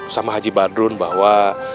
sama haji badrun bahwa